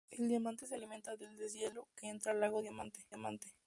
El Diamante se alimenta del deshielo que entra al Lago Diamante.